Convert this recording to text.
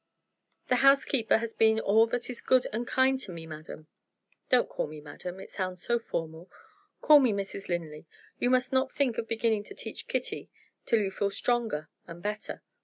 "The housekeeper has been all that is good and kind to me, madam." "Don't call me 'madam'; it sounds so formal call me 'Mrs. Linley.' You must not think of beginning to teach Kitty till you feel stronger and better.